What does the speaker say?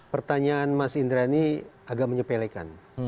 pertanyaan mas indra ini agak menyepelekan